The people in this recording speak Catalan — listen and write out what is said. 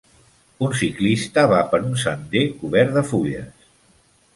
Un ciclista va per un sender cobert de fulles.